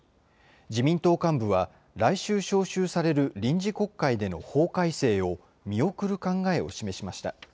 自民党幹部は来週召集される臨時国会での法改正を見送る考えを示しました。